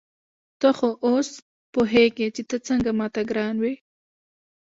ته خو اوس پوهېږې چې ته څنګه ما ته ګران وې.